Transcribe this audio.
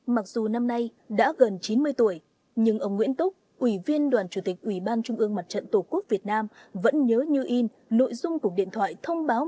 mặc dù năm nay đã gần chín mươi tuổi nhưng ông nguyễn túc ủy viên đoàn chủ tịch ủy ban trung ương mặt trận tổ quốc việt nam vẫn nhớ như in nội dung của điện thoại thông báo